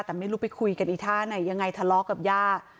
แต่ไม่รู้ไปคุยกันอีกท่าไหนยังไงทะเลาะกับย่า